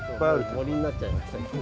森になっちゃいました。